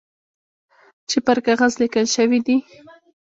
چي پر کاغذ لیکل شوي دي .